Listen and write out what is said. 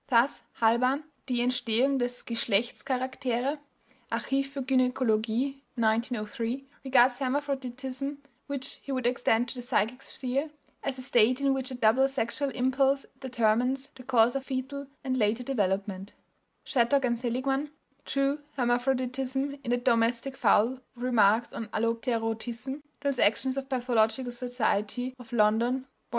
Thus Halban ("Die Entstehung des Geschlechtscharaktere," Archiv für Gynäkologie, 1903) regards hermaphroditism, which he would extend to the psychic sphere, as a state in which a double sexual impulse determines the course of fetal and later development. Shattock and Seligmann ("True Hermaphroditism in the Domestic Fowl, with Remarks on Allopterotism," Transactions of Pathological Society of London, vol.